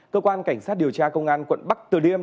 cơ quan cảnh sát điều tra công an quận năm từ điêm